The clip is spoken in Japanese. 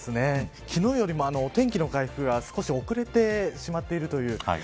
昨日よりもお天気の回復が少し遅れてしまっているという